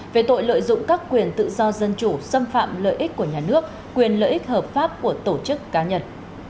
về tội lợi dụng các quyền tự do dân chủ xâm phạm lợi ích của nhà nước quyền lợi ích hợp pháp của tổ chức cá nhân